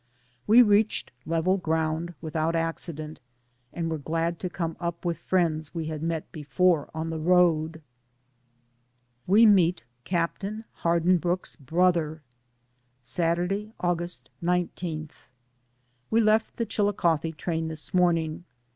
We reached level ground without acci dent, and were glad to come up with friends we had met before on the road. WE MEET CAPTAIN HARDINBROOKE's BROTHER. Saturday, August 19. We left the Chilicothe train this morning.